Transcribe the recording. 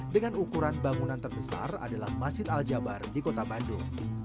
dengan ukuran bangunan terbesar adalah masjid al jabar di kota bandung